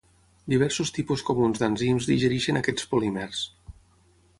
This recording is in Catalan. Diversos tipus comuns d'enzims digereixen aquests polímers.